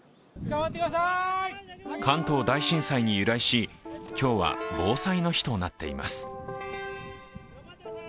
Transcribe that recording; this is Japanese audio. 関東大震災に由来し、今日は防災の日となっています。